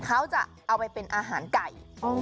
เขาจะเอาไปเป็นอาหารไก่